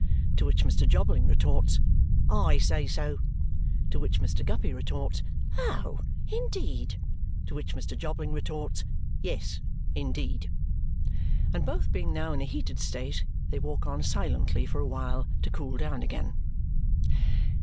To which Mr. Jobling retorts, "I say so!" To which Mr. Guppy retorts, "Oh, indeed?" To which Mr. Jobling retorts, "Yes, indeed!" And both being now in a heated state, they walk on silently for a while to cool down again.